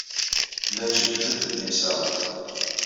Llant jebbdent-d imsaɣen.